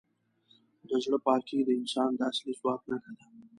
د زړه پاکي د انسان د اصلي ځواک نښه ده.